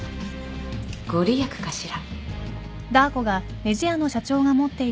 御利益かしら。